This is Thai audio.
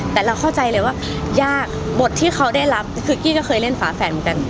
แต่เราเข้าใจเลยว่ายากบทที่เขาได้รับคือกี้ก็เคยเล่นฝาแฝดเหมือนกัน